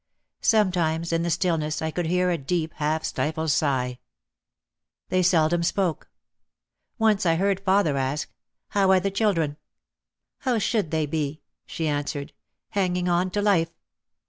Sometimes in the stillness I could hear a deep half stifled sigh. They seldom spoke. Once I heard father ask, "How are the children?" "How should they be ?" she answered. "Hanging onto life."